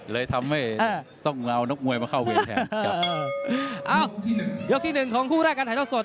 เลยทำให้ต้องเอานกมวยมาเข้าเวรแทนครับอ้าวยกที่หนึ่งของคู่แรกการถ่ายทอดสด